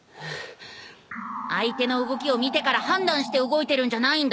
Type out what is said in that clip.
相手の動きを見てから判断して動いてるんじゃないんだ。